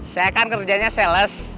saya kan kerjanya sales